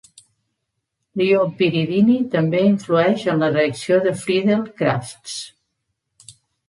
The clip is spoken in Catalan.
L'ió piridini també influeix en la reacció de Friedel-Crafts.